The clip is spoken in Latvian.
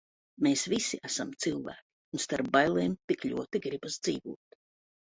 Mēs visi esam cilvēki un starp bailēm tik ļoti gribas dzīvot.